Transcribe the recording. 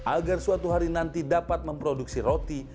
agar suatu hari nanti dapat memproduksi roti